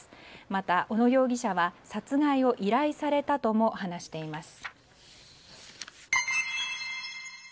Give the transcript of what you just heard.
また、小野容疑者は殺害を依頼されたとも話しています。